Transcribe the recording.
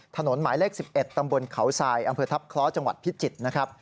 ถนนมายเลข๑๐ตำบลเขาทรายองค์เผือทับคล้อจังหวัดพิจิตร